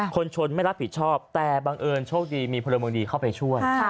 คนชนไม่รับผิดชอบแต่บังเอิญโชคดีมีพลเมืองดีเข้าไปช่วย